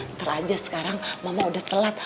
ntar aja sekarang mama udah telat